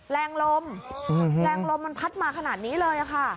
แรงลมแรงลมมันพัดมาขนาดนี้เลยค่ะ